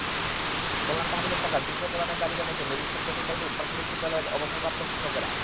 কল্যাণ তহবিলের টাকা দ্রুত প্রদানের দাবি জানিয়েছেন রেজিস্টার্ড বেসরকারি প্রাথমিক বিদ্যালয়ের অবসরপ্রাপ্ত শিক্ষকেরা।